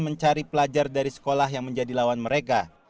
mencari pelajar dari sekolah yang menjadi lawan mereka